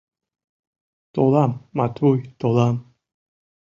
— Толам, Матвуй, толам.